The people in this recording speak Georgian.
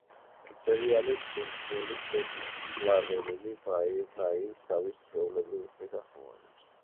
სერიალის შემქმნელი, სეთ მაკფარლეინი, ბრაიანს თავისი ჩვეულებრივი ხმით ახმოვანებს.